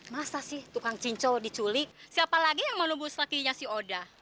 masa sih tukang cincau diculik siapa lagi yang mau nunggu selakinya si odah